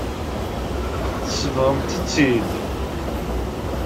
Tsebɣemt-t-id.